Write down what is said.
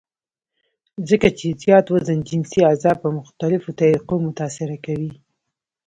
ځکه چې زيات وزن جنسي اعضاء پۀ مختلفوطريقو متاثره کوي -